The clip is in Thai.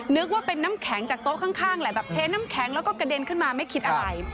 นึกว่าเป็นน้ำแข็งจากโต๊ะข้างแหละแบบเทน้ำแข็งแล้วก็กระเด็นขึ้นมาไม่คิดอะไร